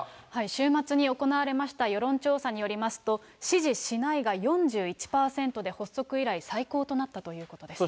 週末に行われました世論調査によりますと、支持しないが４１％で発足以来最高となったということです。